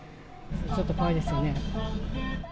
ちょっと怖いですよね。